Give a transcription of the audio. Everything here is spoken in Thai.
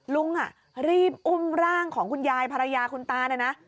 ลุงรีบอุ้มร่างของคุณยายภรรยาคุณตานะนะ